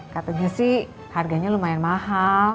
katanya sih harganya lumayan mahal